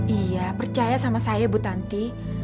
iya percaya sama saya bu tanti